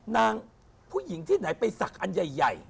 นางผู้หญิงที่ไหนไปศักดิ์อันใหญ่